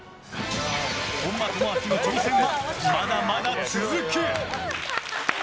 本間朋晃の挑戦はまだまだ続く！